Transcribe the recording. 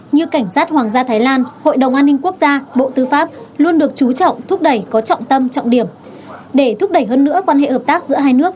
như cảnh sát hoàng gia thái lan hội đồng an ninh quốc gia bộ chính phủ